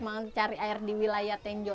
ya untuk mencari air di wilayah tenjo